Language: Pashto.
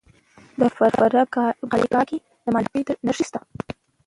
د فراه په قلعه کاه کې د مالګې نښې شته.